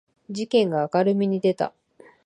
事件が明るみに出た